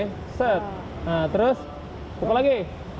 nah terus pukul lagi